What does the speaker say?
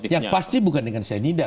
yang pasti bukan dengan saya nidah